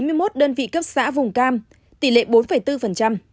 và bốn trên chín mươi một đơn vị cấp xã vùng cam tỷ lệ bốn bốn